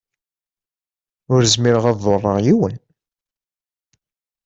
Ur zmireɣ ad ḍurreɣ yiwen.